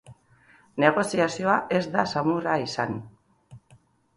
Negoziazioa ez da samurra izan.